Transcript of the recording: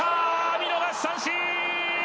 見逃し三振！